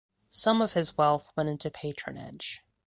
Some of his wealth went into patronage.